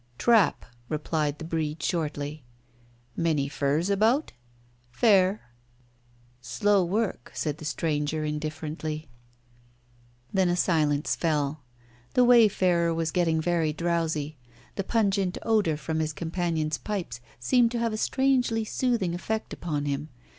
"Trap," replied the Breed shortly. "Many furs about?" "Fair." "Slow work," said the stranger, indifferently. Then a silence fell. The wayfarer was getting very drowsy. The pungent odour from his companions' pipes seemed to have a strangely soothing effect upon him.